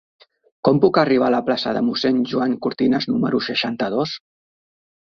Com puc arribar a la plaça de Mossèn Joan Cortinas número seixanta-dos?